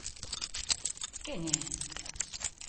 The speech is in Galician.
¿Quen é?